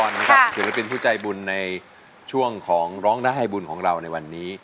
ศิลปินผู้ใจบุญในช่วงของร้องได้ให้บุญของเราในวันนี้